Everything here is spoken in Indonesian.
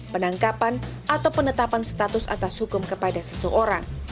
penangkapan atau penetapan status atas hukum kepada seseorang